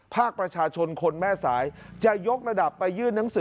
ภาคประชาชนคนแม่สายจะยกระดับไปยื่นหนังสือ